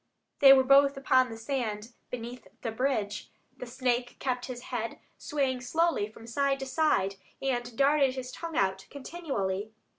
They were both upon the sand beneath the bridge. The snake kept his head swaying slowly from side to side, and darted his tongue out continually.